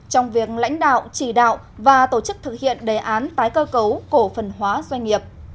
trong việc lãnh đạo chỉ đạo và tổ chức thực hiện đề án tái cơ cấu cổ phần hóa doanh nghiệp